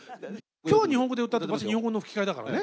きょうは日本語で歌ってますよ、日本語の吹き替えだからね。